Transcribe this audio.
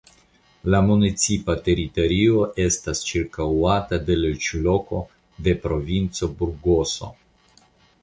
La municipa teritorio estas ĉirkaŭata de loĝlokoj de la provinco Burgoso.